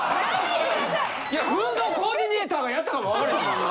いやフードコーディネーターがやったかもわかれへん。